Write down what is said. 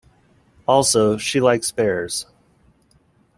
Also, she likes bears.